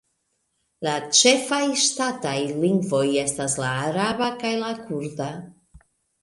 La ĉefaj ŝtataj lingvoj estas la araba kaj la kurda.